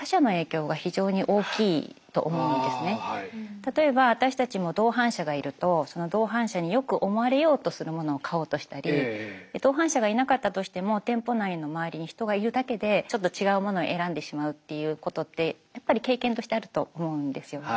例えば私たちも同伴者がいるとその同伴者がいなかったとしても店舗内の周りに人がいるだけでちょっと違うものを選んでしまうっていうことってやっぱり経験としてあると思うんですよ。